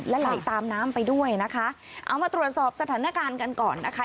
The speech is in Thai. และไหลตามน้ำไปด้วยนะคะเอามาตรวจสอบสถานการณ์กันก่อนนะคะ